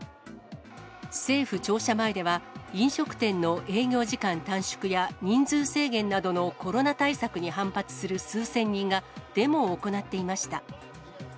政府庁舎前では、飲食店の営業時間短縮や人数制限などのコロナ対策に反発する数千人がデモを行っていました。